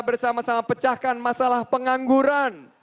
bersama sama pecahkan masalah pengangguran